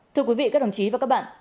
thưa quý vị các đồng chí và các bạn